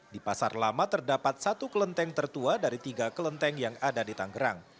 di pasar lama terdapat satu kelenteng tertua dari tiga kelenteng yang ada di tanggerang